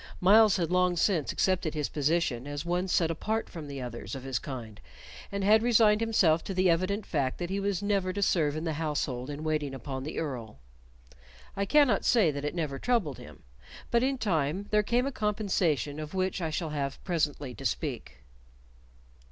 Myles had long since accepted his position as one set apart from the others of his kind, and had resigned himself to the evident fact that he was never to serve in the household in waiting upon the Earl. I cannot say that it never troubled him, but in time there came a compensation of which I shall have presently to speak.